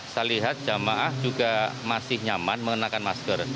saya lihat jamaah juga masih nyaman mengenakan masker